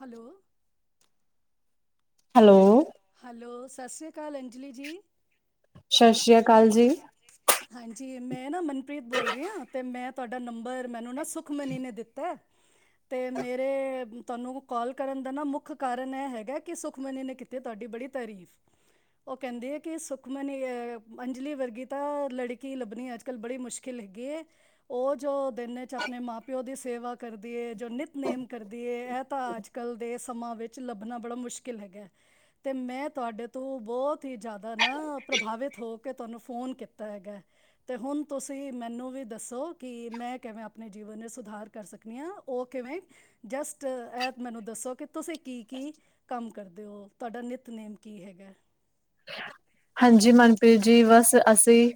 Hello. Hello. Hello ਸਤਿ ਸ਼੍ਰੀ ਅਕਾਲ ਅੰਜਲੀ ਜੀ। ਸਤਿ ਸ੍ਰੀ ਅਕਾਲ ਜੀ। ਹਾਂਜੀ। ਮੈਂ ਨਾ ਮਨਪ੍ਰੀਤ ਬੋਲ ਰੀ ਆ ਤੇ ਮੈਂ ਤੁਹਾਡਾ ਨੰਬਰ ਮੈਨੂੰ ਨਾ ਸ ਖਮਨੀ ਨੇ ਦਿੱਤਾ ਤੇ ਮੇਰੇ ਤੁਹਾਨੂੰ ਕਾਲ ਕਰਨ ਦਾ ਨਾ ਮੁੱਖ ਕਾਰਨ ਐ ਹੈਗਾ ਕਿ ਸੁਖਮਨੀ ਨੇ ਕੀਤੀ ਤੁਹਾਡੀ ਬੜੀ ਤਾਰੀਫ ਓ ਕਹਿੰਦੇ ਐ ਕੇ ਸੁਖਮਨੀ ਅਹ ਅੰਜਲੀ ਵਰਗੀ ਤਾਂ ਲੜਕੀ ਲੱਭਣੀ ਅੱਜ ਕੱਲ੍ਹ ਬੜੀ ਮੁਸ਼ਕਿਲ ਹੈਗੀ ਐ ਓ ਜੋ ਦਿਨ ਚ ਆਪਣੇ ਮਾਂ ਪਿਓ ਦੀ ਸੇਵਾ ਕਰਦੀ ਏ ਜੋ ਨਿੱਤ ਨੇਮ ਕਰਦੀ ਏ ਐ ਤਾਂ ਅੱਜ ਕੱਲ੍ਹ ਦੇ ਸਮਾਂ ਵਿੱਚ ਲੱਭਣਾ ਬੜਾ ਮੁਸ਼ਕਿਲ ਹੈਗਾ ਤੇ ਮੈਂ ਤੁਹਾਡੇ ਤੋਂ ਬਹੁਤ ਹੀ ਜਾਦਾ ਨਾ ਪ੍ਰਭਾਵਿਤ ਹੋ ਕੇ ਤੁਹਾਨੂੰ ਫੋਨ ਕੀਤਾ ਹੈਗਾ ਤੇ ਹੁਣ ਤੁਸੀਂ ਮੈਨੂੰ ਵੀ ਦੱਸੋ ਕਿ ਮੈਂ ਕਿਵੇਂ ਆਪਣੇ ਜੀਵਨ ਨੂੰ ਸੁਧਾਰ ਕਰ ਸਕਦੀ ਹਾਂ ਓ ਕਿਵੇਂ ਜਸਟ ਐ ਮੈਨੂੰ ਦੱਸੋ ਕਿ ਤੁਸੀਂ ਕੀ ਕੀ ਕੰਮ ਕਰਦੇ ਓ ਤੁਹਾਡਾ ਨਿੱਤਨੇਮ ਕੀ ਹੈਗਾ ਹਾਂਜੀ ਮਨਪ੍ਰੀਤ ਜੀ ਬਸ ਅਸੀਂ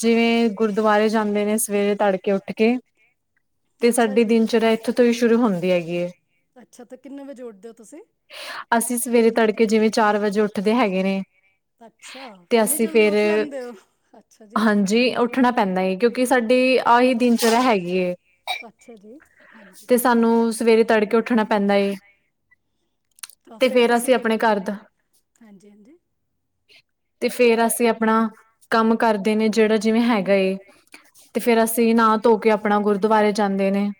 ਜਿਵੇਂ ਗੁਰਦੁਆਰੇ ਜਾਂਦੇ ਨੇ ਸਵੇਰੇ ਤੜਕੇ ਉੱਠ ਕੇ ਤੇ ਅੱਛਾ ਸਾਡੀ ਜੀ ਦਿਨ ਚੜ੍ਹਿਆ ਏਥੇ ਤੋਂ ਈ ਸ਼ੁਰੂ ਹੁੰਦੀ ਹੈਗੀ ਏ ਅੱਛਾ ਤਾਂ ਕਿੰਨੇ ਵਜੇ ਉੱਠਦੇ ਹੋ ਤੁਸੀਂ ਅਸੀਂ ਸਵੇਰੇ ਤੜਕੇ ਜਿਵੇਂ ਚਾਰ ਵਜੇ ਉੱਠਦੇ ਹੈਗੇ ਨੇ ਅੱਛਾ ਤੇ ਇੰਨੀ ਅਸੀਂ ਜਲਦੀ ਫੇਰ ਉੱਠ ਲੈਂਦੇ ਹੋ ਅੱਛਾ ਜੀ ਹਾਂਜੀ ਉੱਠਣਾ ਪੈਂਦਾ ਏ ਕਿਉਂਕਿ ਸਾਡੀ ਆਹੀ ਦਿਨ [unintelligible] ਹੈਗੀ ਏ ਅੱਛਾ ਜੀ ਹਾਂਜੀ ਤੇ ਸਾਨੂੰ ਸਵੇਰੇ ਤੜਕੇ ਉੱਠਣਾ ਪੈਂਦਾ ਏ ਤੇ ਫੇਰ ਤੁਸੀਂ ਅਸੀਂ ਕੀ ਆਪਣੇ ਕਰਦੇ ਘਰ ਦਾ ਹਾਂਜੀ-ਹਾਂਜੀ ਤੇ ਫੇਰ ਅਸੀਂ ਆਪਣਾ ਕੰਮ ਕਰਦੇ ਨੇ ਜੇੜਾ ਜਿਵੇਂ ਹੈਗਾ ਏ ਤੇ ਫੇਰ ਅਸੀਂ ਨਾ ਧੋ ਕੇ ਆਪਣਾ ਗੁਰਦੁਆਰੇ ਜਾਂਦੇ ਨੇ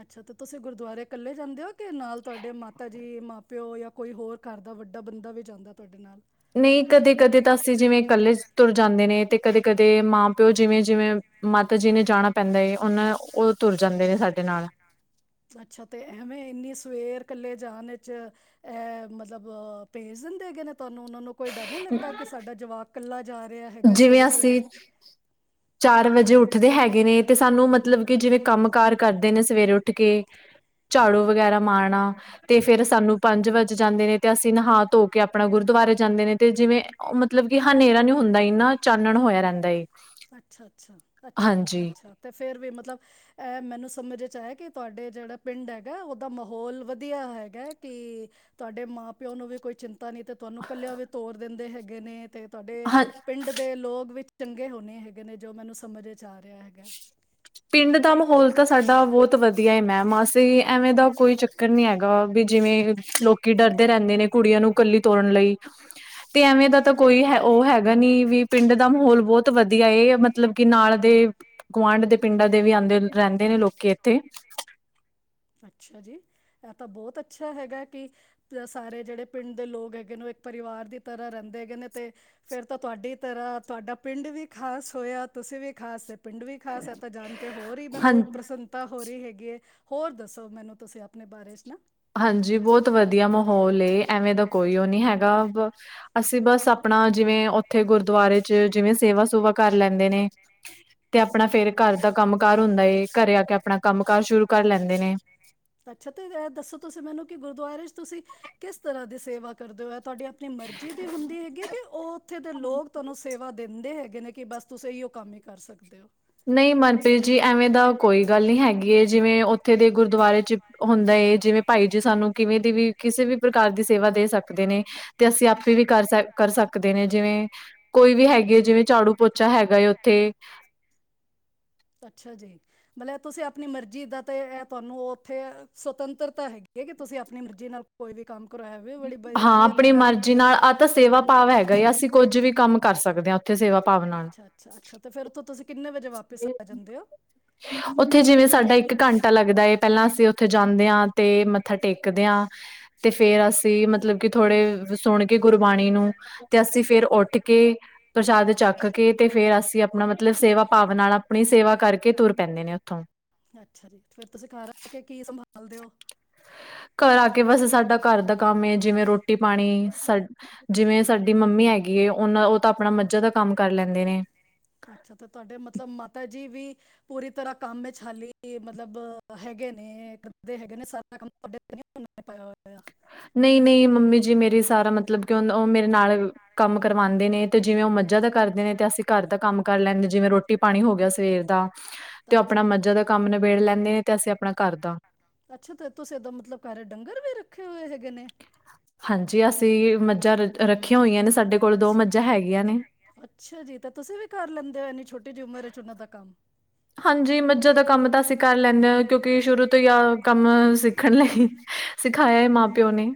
ਅੱਛਾ ਤੇ ਤੁਸੀਂ ਗੁਰਦੁਆਰੇ ਕੱਲੇ ਜਾਂਦੇ ਓ ਕਿ ਨਾਲ ਤੁਹਾਡੇ ਮਾਤਾ ਜੀ ਮਾਂ ਪਿਓ ਜਾਂ ਕੋਈ ਹੋਰ ਘਰ ਦਾ ਵੱਡਾ ਬੰਦਾ ਵੀ ਜਾਂਦਾ ਤੁਹਾਡੇ ਨਾਲ ਨਈ ਕਦੇ-ਕਦੇ ਤਾਂ ਅਸੀਂ ਜਿਵੇਂ ਇਕੱਲੇ ਤੁਰ ਜਾਂਦੇ ਨੇ ਤੇ ਕਦੇ-ਕਦੇ ਮਾਂ ਪਿਓ ਜਿਵੇਂ-ਜਿਵੇਂ ਮਾਤਾ ਜੀ ਨੇ ਜਾਣਾ ਪੈਂਦਾ ਏ ਓਨਾਂ ਓ ਤੁਰ ਜਾਂਦੇ ਨੇ ਸਾਡੇ ਨਾਲ ਅੱਛਾ ਤੇ ਐਵੇਂ ਇੰਨੀ ਸਵੇਰ ਇਕੱਲੇ ਜਾਣ ਵਿੱਚ ਐ ਮਤਲਬ ਭੇਜ ਦਿੰਦੇ ਗੇ ਨੇ ਤੋਨੂੰ ਓਨਾਂ ਨੂੰ ਕੋਈ ਡਰ ਨੀ ਲੱਗਦਾ ਕਿ ਸਾਡਾ ਜਵਾਕ ਜਾ ਰਿਹਾ ਹੈਗਾ ਜਿਵੇਂ ਸਵੇਰੇ ਸਵੇਰੇ ਅਸੀਂ, ਚਾਰ ਵਜੇ ਉੱਠਦੇ ਹੈਗੇ ਨੇ ਤੇ ਸਾਨੂੰ ਮਤਲਬ ਕਿ ਜਿਵੇਂ ਕੰਮ ਕਾਰ ਕਰਦੇ ਨੇ ਸਵੇਰੇ ਉੱਠ ਕੇ ਝਾੜੂ ਵਗੈਰਾ ਮਾਰਨਾ। ਤੇ ਫੇਰ ਸਾਨੂੰ ਪੰਜ ਵਜ ਜਾਂਦੇ ਨੇ, ਤੇ ਅਸੀਂ ਨਹਾ ਧੋ ਕੇ ਅਪਣਾ ਗੁਰਦੁਆਰੇ ਜਾਂਦੇ ਨੇ, ਤੇ ਜਿਵੇਂ ਔ ਮਤਲਬ ਕਿ ਹਨੇਰਾ ਨੀ ਹੋ ਨੇਰਾ ਤੇ ਹੁੰਦਾ ਇਨਾਂ ਚਾਨਣ ਹੋਯਾ ਲੈਂਦਾ ਏ। ਅਛਾ ਅਛਾ ਅਛਾ ਹਾਂਜੀ ਅੱਛਾ ਤੇ ਫੇਰ ਵੀ ਮਤਲਬ ਐ ਮੈਨੂੰ ਸਮਝ ਇੱਚ ਆਇਆ ਕਿ ਤੁਹਾਡੇ ਜੇੜਾ ਪਿੰਡ ਹੈਗੈ ਔਦਾ ਮਹੌਲ ਵਧੀ ਵਧੀਆ ਹੈਗੈ, ਕਿ ਤੁਹਾਡੇ ਮਾਂ ਪਿਓ ਨੂੰ ਵੀ ਕੋਈ ਚਿੰਤਾ ਨੀ ਤੇ ਤੁਵਾਨੂੰ ਕੱਲਿਆ ਵੀ ਤੋਰ ਦਿੰਦੇ ਹੈਗੇ ਨੇ, ਤੇ ਤੁਹਾਡੇ ਹਾਂ ਪਿੰਡ ਦੇ ਲੋਗ ਵਿੱ ਚੰਗੇ ਹੋਣੇ ਹੈਗੇ ਨੇ। ਜੋ ਮੈਨੂੰ ਸਮਝ ਏਚ ਆ ਰਿਆ ਹੈਗੈ। ਪਿੰਡ ਦਾ ਮਹੌਲ ਤਾਂ ਸਾਡਾ ਬੌਤ ਵਧੀਆ ਏ ਮੈਮ। ਆਸ ਤੇ ਐਵੇਂ ਦਾ ਕੋਈ ਚੱਕਰ ਨੀ ਹੈਗਾ ਬੀ ਜਿਵੇਂ ਲੋਕ ਕੀ ਡਰਦੇ ਰੈੰਦੇ ਨੇ ਕੁੜੀਆਂ ਨੂੰ ਕੱਲੀ ਤੋਰਨ ਲਈ, ਤੇ ਐਵੇਂ ਦਾ ਤਾਂ ਕੋਈ ਹੈ ਔ ਹੈਗਾ ਨੀ ਵੀ ਪਿੰਡ ਦਾ ਮਹੌਲ ਬੌਤ ਵਧੀਆ ਏ। ਮਤਲਬ ਕਿ ਨਾਲ ਦੇ ਗੁਆਂਢ ਦੇ ਪਿੰਡਾਂ ਦੇ ਵੀ ਆੰਦੇ ਰੈੰਦੇ ਨੇ ਲੋਕੀ ਐੱਥੇ। ਅੱਛਾ ਜੀ ਇਹ ਤਾਂ ਬੌਤ ਅੱਛਾ ਹੈਗਾ ਕਿ ਯਾ ਸਾਰੇ ਜੇੜੇ ਪਿੰਡ ਦੇ ਲੋਗ ਹੈਗੇ ਨੇ ਔ ਇੱਕ ਪਰਿਵਾਰ ਦੀ ਤਰ੍ਹਾਂ ਰੈੰਦੇ ਹੈਗੇ ਨੇ, ਤੇ ਫੇਰ ਤਾਂ ਤੁਹਾਡੀ ਤਰ੍ਹਾਂ ਤੁਹਾਡਾ ਪਿੰਡ ਵੀ ਖ਼ਾਸ ਹੋਯਾ ਤੁਸੀਂ ਵੀ ਖਾਸ। ਪਿੰਡ ਵੀ ਖਾਸ ਹੈ ਤਾਂ ਜਾਣ ਕੇ ਹੋਰ ਈ ਹਾਂ ਮੈਨੂੰ ਪ੍ਰਸੰਨਤਾ ਹੋ ਰੀ ਹੈਗੀ ਐਂ, ਹੋਰ ਦੱਸੋ ਮੈਨੂੰ ਤੁਸੀਂ ਆਪਣੇ ਬਾਰੇ ਚ ਨਾ? ਹਾਂਜੀ, ਬੌਤ ਵਧੀ ਦੀਆ ਮਹੌਲ ਏ, ਐਵੇਂ ਤਾਂ ਕੋਈ ਓਹ ਨੀ ਹੈਗ ਗਾ, ਬ ਅਸੀਂ ਬਸ ਅਪਣਾ ਜਿਵੇਂ ਔਥੇ ਗੁਰਦੁਆਰੇ ਚ ਜਿਵੇਂ ਸੇਵਾ ਸੂਵਾ ਕਰ ਲੈਂਦੇ ਨੇ। ਤੇ ਅਪਣਾ ਫੇਰ ਘਰ ਦਾ ਕੰਮ ਕਾਰ ਹੁੰਦਾ ਏ, ਘਰੇ ਆ ਕੇ ਅਪਣਾ ਕੰਮ ਕਾਰ ਸ਼ੁਰੂ ਕਰ ਲੈਂਦੇ ਨੇ। ਅੱਛਾ ਤੇ ਇਹ ਦੱਸੋ ਤੁਸੀਂ ਮੈਨੂੰ ਕਿ ਗੁਰਦੁਆਰੇ ਚ ਤੁਸੀਂ ਕਿਸ ਤਰ੍ਹਾਂ ਦੀ ਸੇਵਾ ਕਰਦੇ ਔ? ਐ ਤੁਹਾਡੀ ਅਪਣੀ ਮਰਜ਼ੀ ਦੀ ਹੁੰਦੀ ਹੈਗੀ ਕਿ ਓਹ ਉੱਥੇ ਦੇ ਲੋਗ ਤੁਹਾਨੂੰ ਸ ਸੇਵਾ ਦਿੰਦੇ ਹੈਗੇ ਨੇ, ਕਿ ਬਸ ਤੁਸੀਂ ਐਈਓ ਕੰਮ ਈ ਕਰ ਸਕਦੇ ਹੋ। ਨਹੀਂ ਮਨਪ੍ਰੀਤ ਜੀ ਐਵੇਂ ਦਾ ਕੋਈ ਗੱਲ ਨੀ ਹੈਗੀ ਏ, ਜਿਵੇਂ ਔਥੇ ਦੇ ਗੁ ਗੁਰਦੁਆਰੇ ਚ ਹੁੰਦਾ ਏ, ਜਿਵੇਂ ਭਾਈ ਜੀ ਸਾਨੂੰ ਕਿਵੇਂ ਦੀ ਵੀ ਕਿਸੇ ਵੀ ਪ੍ਰਕਾਰ ਦੀ ਸੇਵਾ ਦੇ ਸਕਦੇ ਨੇ, ਤੇ ਅਸੀਂ ਅਪ ਤੇ ਵੀ ਕਰ ਸਕ ਕਰ ਸਕਦੇ ਨੇ ਜਿਵੇਂ ਕੋਈ ਵੀ ਹੈਗੀ ਏ ਜਿਵੇਂ ਝਾੜੂ ਪੋਚਾ ਹੈਗਾ ਏ ਔਥੇ। ਅੱਛਾ ਜੀ, ਮਲੇ ਤੁਸੀਂ ਅਪਣੀ ਮਰਜ਼ੀ ਦਾ ਤੇ ਐ ਤੁਹਾਨੂੰ ਔਥੇ ਸੁਵਤੰਤਰਤਾ ਹੈਗੀ ਏ, ਕਿ ਤੁਸੀਂ ਅਪਣੀ ਮਰਜ਼ੀ ਨਾਲ ਕੋਈ ਵੀ ਕੰਮ ਕਰਵਾਇਆ ਵੇ ਬੜੀ ਬਈ ਹਾਂ ਵਧੀਆ ਆਪਣੀ ਗੱਲ ਹੈਗੀ ਮਰਜ਼ੀ ਏ। ਨਾਲ ਆਹ ਤਾਂ ਸੇਵਾ ਭਾਵ ਹੈਗਾ ਏ ਅਸੀਂ ਕੁੱਝ ਵੀ ਕੰਮ ਕਰ ਸਕ ਕਦੇਆਂ। ਅੱਛਾ ਅੱਛਾ ਅੱਛਾ, ਤੇ ਫੇਰ ਉੱਥੋਂ ਤੁਸੀਂ ਕਿੰਨੇ ਵਜੇ ਵਾਪਿਸ ਆ ਜਾਂਦੇ ਹੋ? ਉੱਥੇ ਜਿਵੇਂ ਸਾਡਾ ਇੱਕ ਘੰਟਾ ਲੱਗਦਾ ਏ, ਪਹਿਲਾਂ ਅਸੀਂ ਉੱਥੇ ਜਾਂਣੇ ਆਂ, ਤੇ ਮਤ ਮੱਥਾ ਟੇਕਦਿਆਂ ਤੇ ਫੇਰ ਅਸੀਂ ਮਤਲਬ ਕਿ ਥੋੜੇ ਸੁਣ ਕੇ ਗੁਰਬਾਣੀ ਨੂੰ ਤੇ ਅਸੀਂ ਫੇਰ ਉੱਠ ਕੇ ਪ੍ਰਸ਼ਾਦ ਚੱਕ ਕੇ ਤੇ ਫੇਰ ਅਸੀਂ ਆਪਣਾ ਮਤਲਬ ਸੇਵਾ ਭਾਵ ਨਾਲ ਆਪਣੀ ਸੇਵਾ ਕਰ ਅੱਛਾ। ਜੀ ਫਿਰ ਤੁਸੀਂ ਘਰ ਆ ਕੇ ਕੀ ਸੰਬਾਲ। ਬਲ ਦਿਓ। ਘਰ ਆ ਕੇ, ਬਸ ਸਾਡਾ ਘਰ ਦਾ ਕੰਮ ਏ। ਜਿਵੇਂ, ਰੋਟੀ ਪਾਣੀ ਸਰ ਜਿਵੇਂ ਸਾਡੀ ਮੰਮੀ ਹੈਗੀ ਏ, ਉਹ ਤਾਂ ਆਪਣਾ ਮੱਝਾਂ ਦਾ ਕੰਮ ਕਰ ਲੈਂਦੇ ਨੇ। ਅੱਛਾ ਤੇ ਤੁਹਾਡੇ ਮਤਲਬ ਮਾਤਾ ਜੀ ਵੀ ਪੂਰੀ ਤਰ੍ਹਾਂ ਕੰਮ ਵਿੱਚ ਹਾਲੀ ਮਤਲਬ ਹੈਗੇ ਨੇ, ਕਰਦੇ ਹੈਗੇ ਨੇ ਸਾਰਾ ਕੰਮ ਤੁਹਾਡੇ 'ਤੇ ਨਹੀਂ ਪਾਇਆ ਹੋਇਆ। ਨਹੀਂ, ਨਹੀਂ ਮੰਮੀ ਜੀ ਮੇਰੀ ਸਾਰਾ ਮਤਲਬ ਕਿ, ਉਹ ਮੇਰੇ ਨਾਲ ਕੰਮ ਕਰਵਾਉਂਦੇ ਨੇ, ਤੇ ਜਿਵੇਂ ਉਹ ਮੱਝਾ ਦਾ ਕਰਦੇ ਨੇ ਤੇ, ਅਸੀਂ ਘਰ ਦਾ ਕੰਮ ਕਰ ਲੈਂਦੇ ਜਿਵੇਂ ਰੋਟੀ ਰੋਟੀ ਪਾਣੀ ਹੋ ਗਿਆ। ਸਵੇਰ ਦਾ ਤੇ ਉਹ ਅੱਛਾ ਆਪਣਾ ਮੱਜਾਂ ਦਾ ਕੰਮ ਨਿਬੇੜ ਲੈਂਣੇ ਨੇ, ਤੇ ਅਸੀਂ ਆਪਣਾ ਘਰ ਦਾ। ਅੱਛਾ ਤੇ ਤੁਸੀਂ ਤਾਂ ਮਤਲਬ ਘਰ ਡੰਗਰ ਵੀ ਰੱਖੇ ਹੋਏ ਹੈਗੇ ਨੇ ਹਾਂਜੀ, ਅਸੀਂ ਮੱਝਾਂ ਰੱਖੀਆਂ ਹੋਈਆਂ ਨੇ, ਸਾਡੇ ਕੋਲ ਦੋ ਅੱਛਾ ਮੱਝਾਂ ਹੈਗੀਆਂ ਨੇ। ਅੱਛਾ ਜੀ ਚੁਣਾ ਦਾ ਕੰਮ ਹਾਂਜੀ, ਮੱਝਾ ਦਾ ਕੰਮ ਤਾਂ ਅਸੀਂ ਕਰ ਲੈਂਦੇ ਹਾਂ, ਕਿਉਂਕਿ ਸ਼ੁਰੂ ਤੋਂ ਹੀ ਆ ਕੰਮ ਸੀ। ਖਣ ਲਈ ਸਿਖਾਇਆ ਹੈ। ਮਾਂ ਪਿਓ ਨੇ,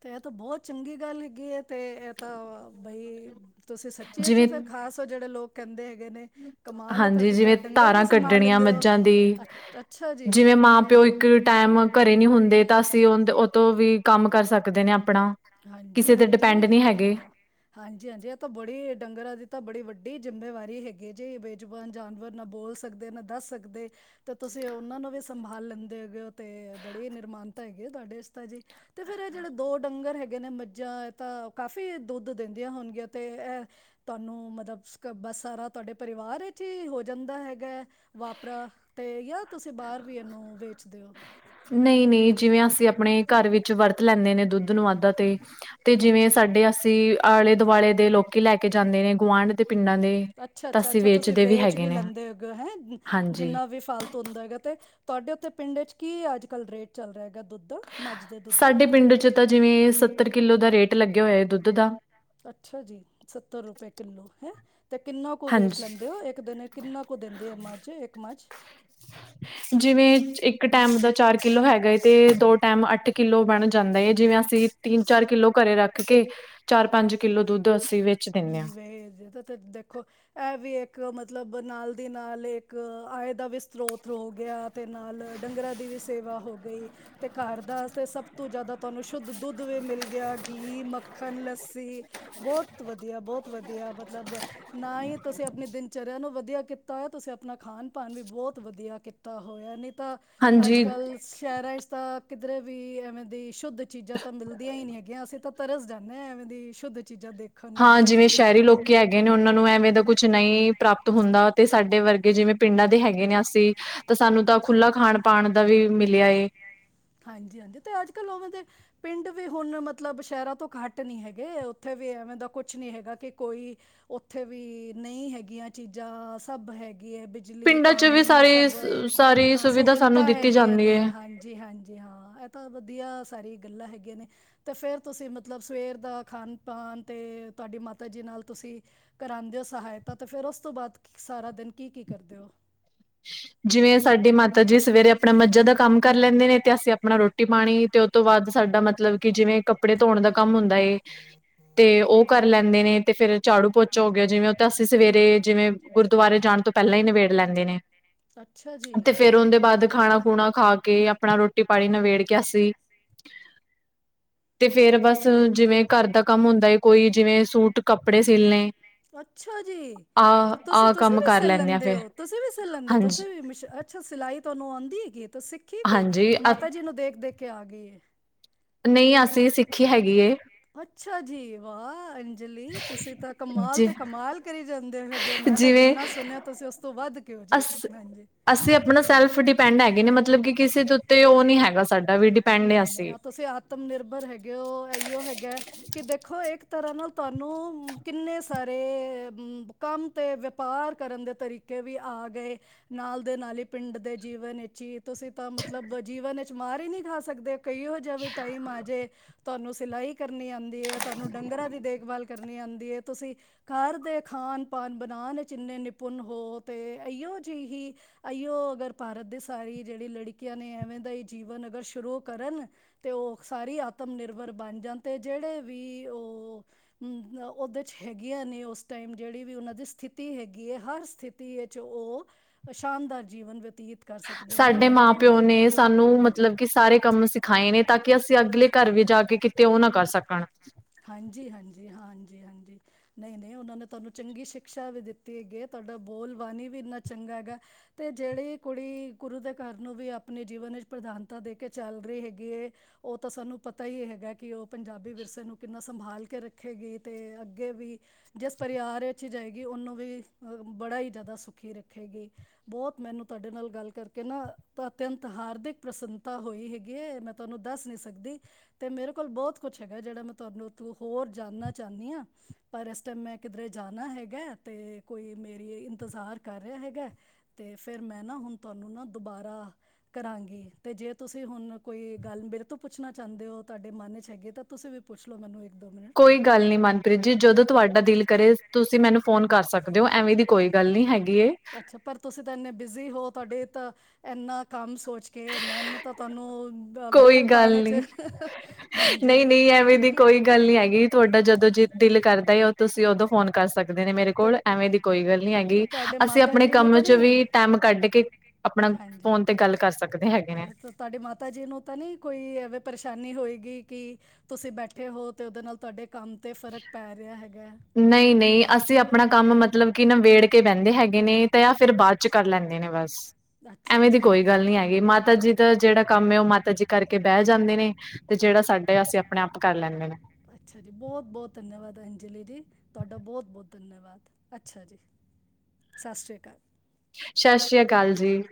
ਤੇ ਇਹ ਤਾਂ ਬਹੁਤ ਚੰਗੀ ਗੱਲ ਹੈਗੀ ਹੈ, ਤੇ ਇਹ ਤਾਂ ਬਈ। ਤੁਸੀਂ ਸੱਚੀ ਅਚ ਜਿਵੇਂ ਫਿਰ ਖ਼ਾਸ ਹੋ, ਜਿਹੜੇ ਲੋਕ ਕਹਿੰਦੇ ਹੈ ਹੈਗੇ ਨੇ ਕਮਾਲ ਹਾਂਜੀ, ਤੁਹਾਡੀ ਜਿਵੇਂ ਤਾਂ ਡੰਗਰ ਧਾਰਾਂ ਵੀ ਸੰਭਾਲ ਕੱਢਣੀਆਂ ਲੈਂਦੇ ਹੋ ਮੱਝਾਂ ਦੀ, ਅੱ ਅੱਛਾ ਜੀ ਜਿਵੇਂ ਮਾਂ ਪਿਓ ਇੱਕ ਟੈਮ ਘਰੇ ਨੀ ਵਾਹ। ਹੁੰਦੇ, ਤਾਂ ਅਸੀਂ ਉਨ ਉਤੋਂ ਵੀ ਕੰਮ ਕਰ ਸਕਦੇ ਨੇ, ਆਪ ਹਾਂਜੀ, ਹਾਂਜੀ, ਹਾਂ, ਹਾਂਜੀ, ਹਾਂਜੀ ਇਹ ਤਾਂ ਬੜੀ ਡੰਗਰਾਂ ਦੀ ਤਾਂ ਬੜੀ ਵੱਡੀ ਜ਼ਿੰਮੇਵਾਰੀ ਹੈਗੀ ਜੇ, ਬੇਜੁਬਾਨ ਜਾਨਵਰ ਨਾ ਬੋਲ ਸਕਦੇ ਨਾ, ਦੱਸ ਸਕਦੇ ਤੇ, ਤੁਸੀਂ ਉਹਨਾਂ ਨੂੰ ਵੀ ਸੰਭਾਲ ਲੈਂਦੇ ਹੈਗੇ ਹੋ ਤੇ, ਬੜੀ ਨਿਰਮਾਨਤਾ ਹੈਗੀ ਹੈ। ਤੁਹਾਡੇ ਚ ਤਾਂ ਜੀ ਤੇ ਫੇਿਰ ਇਹ ਜਿਹੜੇ ਦੋ ਡੰਗਰ ਹੈਗੇ। ਹੈਗੇ ਨੇ, ਮੱਝਾਂ ਇਹ ਤਾਂ ਕਾਫ਼ੀ ਦੁੱਧ ਦਿੰਦੀਆਂ ਹੋਣਗੀਆਂ, ਤੇ ਇਹ ਤੁਹਾਨੂੰ ਮਤਲਬ ਬਸ ਸਾਰਾ ਤੁਹਾਡੇ ਪਰਿਵਾਰ ਵਿੱਚ ਹੀ ਹੋ ਜਾਂਦਾ ਹੈਗਾ ਹੈ। ਵਾਪਰਾ ਤੇ ਜਾਂ ਤੁਸੀਂ ਬਾਹਰ ਵੀ ਇਹਨੂੰ ਵੇਚਦੇ ਹੋ ਨਹੀਂ, ਨਹੀਂ ਜਿਵੇਂ ਅਸੀਂ ਆਪਣੇ ਘਰ ਵਿੱਚ ਵਰਤ ਲੈਂਣੇ ਨੇ ਦੁੱਧ ਧੁਨਵਾਦਾ ਤੇ ਅੱਛਾ ਜਿਵੇਂ ਸਾਡੇ ਆਲੇ ਦੁਆਲੇ ਦੇ ਲੋਕੀ ਲੈ ਕੇ ਜਾਂਦੇ ਨੇ ਗੁਆਂਢ ਦੇ ਪਿੰਡਾਂ ਦੇ ਅੱਛਾ, ਅੱਛਾ, ਅੱਛਾ ਅੱਛਾ ਤੁਸੀਂ ਵੇਚ ਵੀ ਲੈਂਦੇ ਹੈਗੇ ਓ ਹਾਂਜੀ ਜਿੰਨਾ ਵੀ ਫਾਲ ਹੁੰਦਾ ਹੈਗਾ ਤੇ, ਤੁਹਾਡੇ ਉੱਥੇ ਪਿੰਡ ਚ ਕੀ ਅੱਜ ਕੱਲ੍ਹ ਰੇਟ ਚੱਲ ਰਿਹਾ ਹੈਗਾ। ਦੁੱਧ ਦਾ ਮੱਝ ਦੇ ਦੁੱਧ ਦਾ ਸਾਡੇ ਪਿੰਡ ਚ ਤਾਂ, ਜਿਵੇਂ ਸੱਤਰ ਕਿੱਲੋ। ਦਾ ਰੇਟ ਲਗਿਆ ਹੋਇਆ ਏ ਦੁੱਧ ਦਾ ਅੱਛਾ, ਜੀ ਸੱਤਰ ਰੁਪਏ ਕਿੱਲੋ ਹੈਂ। ਤੇ ਕਿੰਨਾ ਕੁ ਵੇਚ ਹਾਂਜੀ, ਲੈਂਦੇ ਹੋ ਇੱਕ ਦਿਨ ਕਿੰਨਾ ਕੁ ਦਿੰਦੇ ਹੈ ਮੱਝ ਇੱਕ ਮੱਝ ਜਿਵੇਂ ਇੱਕ ਟੈਮ ਦਾ ਚਾਰ ਕਿਲੋ ਹੈਗਾ ਤੇ ਦੋ ਟੈਮ ਅੱਠ ਕਿੱਲੋ ਬਣ ਜਾਂਦਾ ਹੈ ਜਿਵੇਂ ਅਸੀਂ ਤਿੰਨ ਚਾਰ ਕਿੱਲੋ ਘਰੇ ਰੱਖ ਕੇ ਚਾਰ ਪੰਜ ਕਿੱਲੋ ਦੁੱਧ ਵੇਚ ਦਿੰਦੇ ਹਾਂ ਹਮ ਵੇਚ ਦੇਨੇ ਅਤੇ ਦੇਖੋ ਇਹ ਵੀ ਇੱਕ ਮਤਲਬ ਨਾਲ ਦੀ ਨਾਲ ਇੱਕ ਆਏ ਦਾ ਵੀ ਸਰੋਤ ਹੋ ਗਿਆ ਅਤੇ ਨਾਲ ਡੰਗਰਾਂ ਦੀ ਵੀ ਸੇਵਾ ਹੋ ਗਈ ਅਤੇ ਘਰ ਦਾਸਤੇ ਸਭ ਤੋਂ ਜ਼ਿਆਦਾ ਤੁਹਾਨੂੰ ਸ਼ੁੱਧ ਦੁੱਧ ਵੀ ਮਿਲ ਗਿਆ ਘੀ ਮੱਖਣ ਲੱਸੀ ਬਹੁਤ ਬਹੁਤ ਵਧੀਆ ਬਹੁਤ ਵਧੀਆ ਮਤਲਬ ਨਾ ਹੀ ਤੁਸੀਂ ਆਪਣੀ ਦਿਨਚਰਿਆ ਨੂੰ ਵਧੀਆ ਕੀਤਾ ਹੋ ਤੁਸੀਂ ਆਪਣਾ ਖਾਣ ਪਣ ਵੀ ਬਹੁਤ ਵਧੀਆ ਕੀਤਾ ਹੋਇਆ ਨੇ ਤਾਂ ਅੱਜ ਹਾਂਜੀ ਕੱਲ੍ਹ ਸ਼ਹਿਰਾਂ 'ਚ ਤਾਂ ਕਿਧਰੇ ਵੀ ਐਵੇਂ ਦੀ ਸ਼ੁੱਧ ਚੀਜ਼ਾਂ ਤਾਂ ਮਿਲਦੀਆਂ ਹੀ ਨਹੀਂ ਹੈਗੀਆਂ ਅਸੀਂ ਤਾਂ ਤਰਸ ਜਾਂਦੇ ਹਾਂ ਐਵੇਂ ਦੀ ਸ਼ੁੱਧ ਚੀਜ਼ਾਂ ਦੇ ਹਾਂ ਜਿਵੇਂ ਸ਼ਹਿਰੀ ਲੋਕੀ ਹੈਗੇ ਨੇ ਉਹਨਾਂ ਨੂੰ ਐਵੇਂ ਦਾ ਕੁਛ ਨਹੀਂ ਪ੍ਰਾਪਤ ਹੁੰਦਾ ਤੇ ਸਾਡੇ ਵਰਗੇ ਜਿਵੇਂ ਪਿੰਡਾਂ ਦੇ ਹੈਗੇ ਨੇ ਅਸੀਂ ਤਾਂ ਸਾਨੂੰ ਤਾਂ ਖੁੱਲ੍ਹਾ ਖਾਣ ਪਾਣ ਦਾ ਵੀ ਮਿਲਿਆ ਏ ਹਾਂਜੀ ਹਾਂਜੀ ਤੇ ਅੱਜ ਕੱਲ ਉਵੇਂ ਦੇ ਪਿੰਡ ਵੀ ਹੁਣ ਮਤਲਬ ਸ਼ਹਿਰਾਂ ਤੋਂ ਘੱਟ ਨੀ ਹੈਗੇ ਉੱਥੇ ਵੀ ਐਵੇਂ ਦਾ ਕੁਛ ਨੀ ਹੈਗਾ ਕਿ ਕੋਈ ਉੱਥੇ ਵੀ ਨਹੀਂ ਹੈਗੀਆਂ ਚੀਜ਼ਾਂ ਸਭ ਹੈ ਹੈਗੀ ਹੈ ਬਿਜਲੀ ਪਿੰਡਾਂ ਚ ਵੀ ਪਾਣੀ ਸਾਰੀ ਸਭ ਸਾਰੀ ਹਾਂ ਸੁਵਿਧਾ ਸਾਨੂੰ ਸਹੂਲਤਾਂ ਦਿੱਤੀ ਹੈਗੀਆਂ ਜਾਂਦੀ ਨੇ ਹੈ ਹਾਂਜੀ ਹਾਂਜੀ ਇਹ ਤਾਂ ਵਧੀਆ ਸਾਰੀ ਗੱਲਾਂ ਹੈਗੀਆਂ ਨੇ ਤੇ ਫੇਰ ਤੁਸੀਂ ਮਤਲਬ ਸਵੇਰ ਦਾ ਖਾਾਨ ਪਾਨ ਤੇ ਤੁਹਾਡੀ ਮਾਤਾ ਜੀ ਨਾਲ ਤੁਸੀਂ ਕਰਾਉਂਦੇ ਹੋ ਸਹਾਇਤਾ ਤੇ ਫਿਰ ਉਸ ਤੋਂ ਬਾਅਦ ਸਾਰਾ ਦਿਨ ਕੀ ਕੀ ਕਰਦੇ ਹੋ ਜਿਵੇਂ ਸਾਡੀ ਮਾਤਾ ਜੀ ਸਵੇਰੇ ਆਪਣਾ ਮੱਝਾਂ ਦਾ ਕੰਮ ਕਰ ਲੈਂਦੇ ਨੇ ਤੇ ਅਸੀਂ ਆਪਣਾ ਰੋਟੀ ਪਾਣੀ ਤੇ ਉਹ ਤੋਂ ਬਾਅਦ ਸਾਡਾ ਮਤਲਬ ਕਿ ਜਿਵੇਂ ਕੱਪੜੇ ਧੋਣ ਦਾ ਕੰਮ ਹੁੰਦਾ ਏ ਤੇ ਉਹ ਕਰ ਲੈਂਦੇ ਨੇ ਤੇ ਫੇਰ ਝਾੜੂ ਪੋਚ ਚਾ ਹੋ ਗਿਆ ਜਿਵੇਂ ਉਹ ਤਾਂ ਅਸੀਂ ਸਵੇਰੇ ਜਿਵੇਂ ਗੁਰਦੁਆਰੇ ਜਾਣ ਤੋਂ ਪਹਿਲਾਂ ਹੀ ਨਿਬੇੜ ਲੈਂਦੇ ਨੇ ਅੱਛਾ ਜੀ ਤੇ ਫੇਿਰ ਉਹਦੇ ਬਾਅਦ ਖਾਣਾ ਖੂਣਾ ਖਾ ਕੇ ਆਪਣਾ ਰੋਟੀ ਪਾਣੀ ਨਿਵੇੇੜ ਕੇ ਅਸੀਂ ਤੇ ਅੱਛਾ ਜੀ ਆਹ ਤੇ ਤੁਸੀ ਆਹ ਤੁਸੀਂ ਕੰਮ ਵੀ ਕਰ ਸਿੱਲ ਆ ਲੈਂਦੇ ਫੇਰ ਹੋ ਤੁਸੀਂ ਵੀ ਲੈਂਦੇ ਤੁਸੀਂ ਹਾਂਜੀ ਵੀ ਅੱਛਾ ਸਿਲਾਈ ਤੁਹਾਨੂੰ ਆਉਂਦੀ ਦੀ ਗ ਸਿੱਖੀ ਕਿ ਹਾਂਜੀ ਮਾਤਾ ਜੀ ਨੂੰ ਦੇਖ ਦੇਖ ਕੇ ਆ ਗਈ ਨਹੀਂ ਅਸੀਂ ਸਿੱਖੀ ਹੈਗੀ ਏ ਅੱਛਾ ਜੀ ਵਾਹ [unintelligible] ਤੁਸੀਂ ਤਾਂ ਕਮਾਲ ਜ ਤੇ ਕਮਾਲ ਕਰੀ ਜਾਂਦੀ ਗੇ ਹੋ ਮੈਂ ਤਾਂ ਜਿਵੇਂ ਜਿੰਨਾ ਸੁਣਿਆ ਤੁਸੀਂ ਉਸ ਤੋਂ ਵੱਧ [unintelligible] ਹ ਅਸ ਅਸੀਂ ਆਪਣਾ ਸੈਲਫ ਡਿਪੈਂਡ ਹੈਗੇ ਨੇ ਮਤਲਬ ਕਿ ਕਿਸੇ ਦੇ ਉੱਤੇ ਉਹ ਨੀ ਹੈਗਾ ਸਾਡਾ ਵੀ ਡਿਪੈਂਡ ਨਹੀਂ ਅਸੀਂ ਨਹੀਂ ਤੁਸੀਂ ਆਤਮ ਨਿਰਭਰ ਹੈਗੇ ਇਓ ਹੈ ਕਿ ਦੇਖੋ ਤਰ੍ਹਾਂ ਨਾਲ ਤੁਹਾਨੂੰ ਕਿੰਨੇ ਸਾਰੇ ਕੰਮ ਅਤੇ ਵਪਾਰ ਕਰਨ ਦੇ ਤਰੀਕੇ ਵੀ ਆ ਗਏ ਨਾਲ ਦੇ ਨਾਲ ਹੀ ਪਿੰਡ ਦੇ ਜੀਵਨ ਵਿੱਚ ਹੀ ਤੁਸੀਂ ਤਾਂ ਮਤਲਬ ਜੀਵਨ ਵਿੱਚ ਮਾਰ ਹੀ ਨਹੀਂ ਖਾ ਸਕਦੇ ਕਈਹੋ ਜਾਵੇ ਟਾਈਮ ਆ ਜੇ ਤੁਹਾਨੂੰ ਸਿਲਾਈ ਕਰਨੀ ਆਉਂਦੀ ਹੈ ਤੁਹਾਨੂੰ ਡੰਗਰਾਂ ਦੀ ਦੇਖਭਾਲ ਕਰਨੀ ਆਉਂਦੀ ਹੈ ਤੁਸੀਂ ਘਰ ਦੇ ਖਾਨ ਪਾਨ ਬਣਾਉਣ ਜਿੰਨੇ ਨਿਪੁੰਨ ਹੋ ਤੇ ਇਹੀਓ ਜਿਹੀ ਹੀ ਇਈਓ ਅਗਰ ਭਾਰਤ ਦੀ ਸਾਰੀ ਜਿਹੜੀ ਲੜਕੀਆਂ ਨੇ ਐਵੇਂ ਦਾ ਹੀ ਜੀਵਨ ਅਗਰ ਸ਼ੁਰੂ ਕਰਨ ਤੇ ਉਹ ਸਾਰੀ ਆਤਮ ਨਿਰਭਰ ਬਣ ਜਾਣ ਤੇ ਜਿਹੜੇ ਵੀ ਉਹਮ ਉਹਦੇ। ਹੈਗੀਆਂ ਨੇ ਉਸ ਟਾਈਮ ਜਿਹੜੀ ਵੀ ਉਹਨਾਂ ਦੀ ਸਥਿਤੀ ਹੈਗੀ ਹੈ ਹਰ ਸਥਿਤੀ ਵਿੱਚ ਉਹ ਸ਼ਾਨਦਾਰ ਜੀਵਨ ਬਤੀਤ ਕਰ ਸਕਦੀਆਂ ਨੇ ਸਾਡੇ ਇਹ ਮਾਂ ਮੈਨੂੰ ਪਿਓ ਲੱਗਦਾ ਨੇ ਸਾਨੂੰ ਹੂੰ ਮਤਲਬ ਕਿ ਸਾਰੇ ਕੰਮ ਸਿਖਾਏ ਨੇ ਤਾਂ ਕਿ ਅਸੀਂ ਅਗਲੇ ਘਰ ਵੀ ਜਾ ਕੇ ਕਿਤੇ ਉਹ ਨਾ ਕਰ ਸਕਣ ਹਾਂਜੀ ਹਾਂਜੀ ਹਾਂਜੀ ਹਾਂਜੀ ਨਹੀਂ ਨਹੀਂ ਉਹਨਾਂ ਨੇ ਤੁਹਾਨੂੰ ਚੰਗੀ ਸ਼ਿਕਸ਼ਾ ਵੀ ਦਿੱਤੀ ਹੈਗੀ ਹੈ ਤੁਹਾਡਾ ਬੋਲ ਬਾਣੀ ਵੀ ਇੰਨਾ ਚੰਗਾ ਹੈਗਾ ਤੇ ਜਿਹੜੀ ਕੁੜੀ ਗੁਰੂ ਦੇ ਘਰ ਨੂੰ ਵੀ ਆਪਣੇ ਜੀਵਨ ਵਿੱਚ ਪ੍ਰਧਾਨਤਾ ਦੇ ਕੇ ਚੱਲ ਰਹੀ ਹੈਗੀ ਉਹ ਤਾਂ ਸਾਨੂੰ ਪਤਾ ਹੀ ਹੈਗਾ ਕਿ ਉਹ ਪੰਜਾਬੀ ਵਿਰਸੇ ਨੂੰ ਸੰਭਾਲ ਕੇ ਰੱਖੇਗੀ ਤੇ ਅੱਗੇ ਵੀ ਜਿਸ ਪਰਿਵਾਰ ਵਿੱਚ ਜਾਏਗੀ ਉਹਨੂੰ ਵੀ ਬੜਾ ਹੀ ਜ਼ਿਆਦਾ ਸੁਖੀ ਰੱਖੇਗੀ ਬਹੁਤ ਮੈਨੂੰ ਤੁਹਾਡੇ ਨਾਲ ਗੱਲ ਕਰਕੇ ਨਾ ਅਤਿਅੰਤ ਹਾਰਦਿਕ ਪ੍ਰਸੰਨਤਾ ਹੋਈ ਹੈਗੀ ਹੈ। ਮੈਂ ਤੁਹਾਨੂੰ ਦੱਸ ਨਹੀਂ ਸਕਦੀ ਤੇ ਮੇਰੇ ਕੋਲ ਬਹੁਤ ਕੁਛ ਹੈਗਾ। ਜਿਹੜਾ ਮ ਤੁਹਾਨੂੰ ਤ ਹੋਰ ਜਾਣਨਾ ਚਾਹੁੰਦੀ ਹਾਂ। ਪਰ ਇਸ ਟਾਈਮ ਮੈਂ ਕਿਧਰੇ ਜਾਣਾ ਹੈਗਾ। ਤੇ ਕੋਈ ਮੇਰੀ ਇੰਤਜ਼ਾਰ ਕਰ ਰਿਹਾ ਹੈਗਾ। ਤੇ ਫੇਰ ਮੈਂ ਨਾ ਹੁਣ ਤੁਹਾਨੂੰ ਨਾ ਦੁਬਾਰਾ ਕਰਾਂਗੀ। ਤੇ ਜੇ ਤੁਸੀਂ ਹੁਣ ਕੋਈ ਗੱਲ ਮੇਰੇ ਤੋਂ ਪੁੱਛਣਾ ਚਾਹੁੰਦੇ ਹੋ। ਤੁਹਾਡੇ ਮਨ 'ਚ ਹੈਗੀ ਤਾਂ ਤੁਸੀਂ ਵੀ ਪੁਛ ਲੋ ਮੈਨੂੰ ਮਿੰਟ ਕੋਈ ਗੱਲ ਨਹੀਂ ਮਨਪ੍ਰੀਤ ਜੀ, ਜਦੋਂ ਤੁਹਾਡਾ ਦਿਲ ਕਰੇ। ਤੁਸੀਂ ਮੈਨੂੰ ਫੋਨ ਕਰ ਸਕਦੇ ਹੋ। ਐਵੇਂ ਦੀ ਕੋਈ ਗੱਲ ਨਹੀਂ ਹੈਗੀ। ਅੱਛਾ। ਪਰ ਤੁਸੀਂ ਤਾਂ ਇੰਨੇ ਬਿਜ਼ੀ ਹੋ, ਤੁਹਾਡੇ ਤਾਂ ਇੰਨਾ ਕੰਮ ਸੋਚ ਕੇ ਮੈਨੂੰ ਤਾਂ ਤੁਹਾਨੂੰ ਅ ਕੋਈ ਦਖ਼ਲ ਗੱਲ ਪਾਣੇ 'ਚ ਨੀ। ਹਾਂਜੀ ਨਹੀਂ- ਨਹੀਂ ਐਵੇਂ ਦੀ ਕੋਈ ਗੱਲ ਨੀ ਹੈਗੀ। ਤੁਹਾਡਾ ਜਦੋਂ ਜ ਦਿਲ ਕਰਦਾ ਤੁਸੀਂ ਉਦੋਂ ਫੋਨ ਕਰ ਸਕਦੇ ਦੇ ਨੇ ਮੇਰੇ ਤੇ ਕੋਲ ਐਵੇਂ ਦੀ ਕੋਈ ਗੱਲ ਨੀ ਤੇ ਹੈਗੀ। ਤੁਹਾਡੇ ਅਸੀਂ ਮਾਤਾ ਆਪਣੇ ਜੀ ਨੂੰ ਕੰਮ ਤਾਂ ਚ ਵੀ ਨਹੀਂ ਟੈਮ ਕੱਢ ਕੇ ਆਪਣਾ ਹਾਂਜੀ ਫੋਨ ਤੇ ਗੱਲ ਕਰ ਸਕਦੇ ਹੈਗੇ ਨੇ ਤੇ ਤੁਹਾਡੇ ਮਾਤਾ ਜੀ ਨੂੰ ਤਾਂ ਨਹੀਂ ਕੋਈ ਐਵੇਂ ਪਰੇਸ਼ਾਨੀ ਹੋਏਗੀ। ਕਿ ਤੁਸੀਂ ਬੈਠੇ ਹੋ ਤੇ ਉਹਦੇ ਨਾਲ ਤੁਹਾਡੇ ਕੰਮ ਤੇ ਫਰਕ ਪੈ ਰਿਹਾ ਹੈਗਾ। ਨਹੀਂ -ਨਹੀਂ ਆਪਣਾ ਕੰਮ ਮਤਲਬ ਕਿ ਨਵੇੜ ਕੇ ਬਹਿੰਦੇ ਹੈਗੇ ਨੇ ਤਾਂ ਜਾਂ ਫਿਰ ਬਾਅਦ ਚ ਕਰ ਲੈਂਦੇ ਨੇ ਬਸ। ਅੱਛਾ- ਐਵੇਂ ਦੀ ਅੱਛਾ ਕੋਈ ਗੱਲ ਹੈਗੀ ਨੀ ਮਾਤਾ ਜੀ ਦਾ ਕੰਮ ਏ ਉਹ ਜਿਹੜਾ ਮਾਤਾ ਜੀ ਕਰਕੇ ਕਰ ਬ ਬਹਿ ਨੇ ਜਾਂਦੇ। ਤੇ ਜਿਹੜਾ ਜ ਸਾਡ ਸਾਡੇ ਅਸੀਂ ਆਪ ਆਪਣੇ ਕਰ ਲੈਂਦੇ ਨੇ ਲ ਜੀ ਬਤ ਧੰਨਵਾਦ ਅੰਜਲੀ ਜੀ, ਤੁਹਾਡਾ ਬਹੁਤ -ਬਹੁਤ ਧੰਨਵਾਦ। ਅੱਛਾ ਜੀ, ਸਤਿ ਸ਼੍ਰੀ ਅਕਾਲ। ਸਤਿ ਸ੍ਰੀ ਅਕਾਲ ਜੀ।